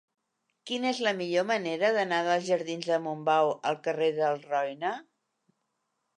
Quina és la millor manera d'anar dels jardins de Montbau al carrer del Roine?